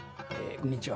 こんにちは。